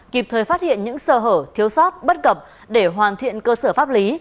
kịp thời phát hiện những sơ hở thiếu sót bất cập để hoàn thiện cơ sở pháp lý